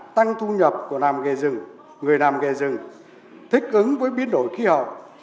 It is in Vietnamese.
tăng thu nhập của nàm nghề rừng người nàm nghề rừng thích ứng với biến đổi khí hậu